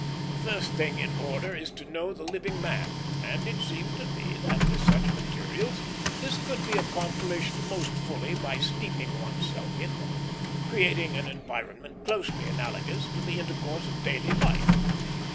The first thing in order is to know the living man; and it seemed to me that, with such materials, this could be accomplished most fully by steeping one's self in them, creating an environment closely analogous to the intercourse of daily life.